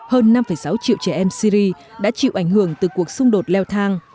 hơn năm sáu triệu trẻ em syri đã chịu ảnh hưởng từ cuộc xung đột leo thang